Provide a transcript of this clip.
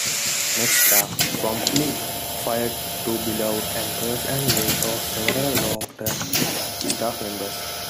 Nexstar promptly fired two beloved anchors and laid-off several long-term staff-members.